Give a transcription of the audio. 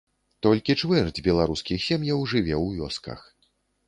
Толькі чвэрць беларускіх сем'яў жыве ў вёсках.